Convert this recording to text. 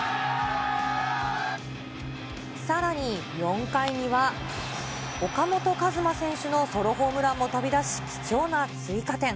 さらに４回には、岡本和真選手のソロホームランも飛び出し、貴重な追加点。